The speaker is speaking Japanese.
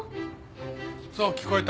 そう聞こえた？